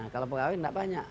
kalau pekawin tidak banyak